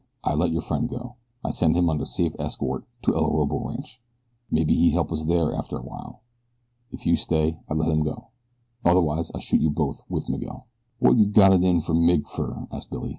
"I let your friend go. I send him under safe escort to El Orobo Rancho. Maybe he help us there after a while. If you stay I let him go. Otherwise I shoot you both with Miguel." "Wot you got it in for Mig fer?" asked Billy.